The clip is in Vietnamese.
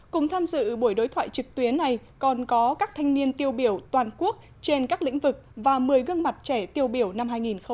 cùng tham dự buổi đối thoại trực tuyến này còn có các thanh niên tiêu biểu toàn quốc trên các lĩnh vực và một mươi gương mặt trẻ tiêu biểu năm hai nghìn một mươi chín